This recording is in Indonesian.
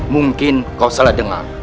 mungkin kau salah dengar